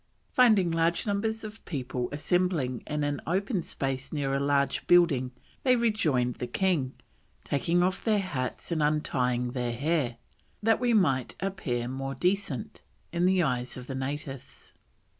Finding large numbers of people assembling in an open space near a large building they rejoined the king, taking off their hats and untying their hair, "that we might appear the more decent" in the eyes of the natives.